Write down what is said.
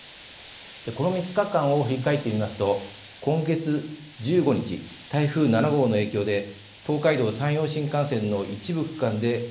この３日間を振り返ってみますと今月１５日台風７号の影響で東海道・山陽新幹線の一部区間で計画運休が行われました。